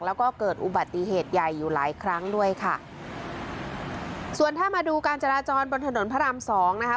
แล้วก็เกิดอุบัติเหตุใหญ่อยู่หลายครั้งด้วยค่ะส่วนถ้ามาดูการจราจรบนถนนพระรามสองนะคะ